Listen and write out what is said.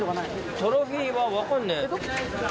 トロフィーは分からない。